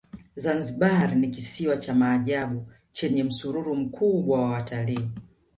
zanzibar ni kisiwa cha maajabu chenye msururu mkubwa wa watalii